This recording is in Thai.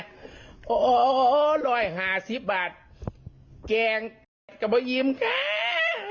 โอ้โหโอ้โหโอ้โห๑๕๐บาทแกงกับมะยิมค่า